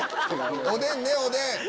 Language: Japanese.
おでんねおでん！